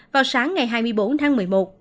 vào sáng ngày hai mươi bốn tháng một mươi một